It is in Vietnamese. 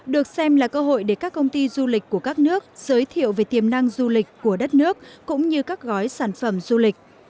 được xem là cơ hội để các công ty du lịch của các nước giới thiệu về tiềm năng du lịch của đất nước cũng như các gói sản phẩm du lịch